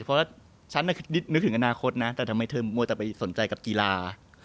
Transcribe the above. เพราะว่าฉันนึกถึงอนาคตนะแต่ทำไมเธอมัวแต่ไปสนใจกับกีฬา